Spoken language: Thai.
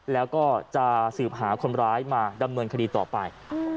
แล้วก็จะสืบหาคนร้ายมาดำเนินคดีต่อไป